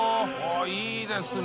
Δ錙いいですね